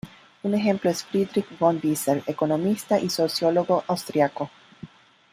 Un ejemplo es Friedrich von Wieser, economista y sociólogo austriaco.